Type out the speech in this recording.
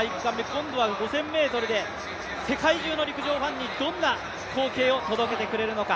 今度は５０００ｍで世界中の陸上ファンにどんな光景を届けてくれるのか。